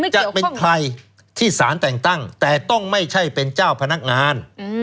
จะเป็นใครที่สารแต่งตั้งแต่ต้องไม่ใช่เป็นเจ้าพนักงาน